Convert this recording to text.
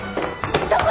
どこ？